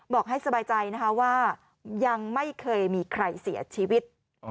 บอกให้สบายใจนะคะว่ายังไม่เคยมีใครเสียชีวิต